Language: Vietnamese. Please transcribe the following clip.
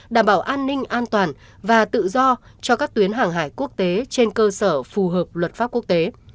đảm bảo an ninh an toàn và tự do cho các tuyến hàng hải quốc tế trên cơ sở phù hợp luật pháp quốc tế